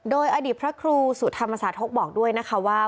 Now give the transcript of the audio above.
โดยอดีตพระครูสุธรรมสาธกบอกด้วยนะคะว่า